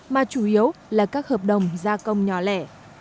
mà chủ yếu là các hợp đồng gia công nhỏ lẻ